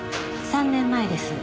３年前です。